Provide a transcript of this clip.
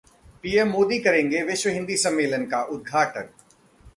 PM Modi करेंगे विश्व हिंदी सम्मलेन का उद्घाटन